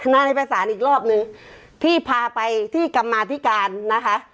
นั่นในภาษาอีกรอบหนึ่งที่พาไปที่กำมาธิการนะคะ